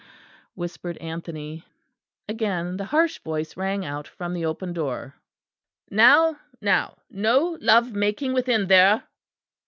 whispered Anthony. Again the harsh voice rang out from the open door. "Now, now, no love making within there!"